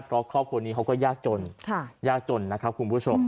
เพราะครอบครัวนี้เขาก็ยากจนยากจนนะครับคุณผู้ชม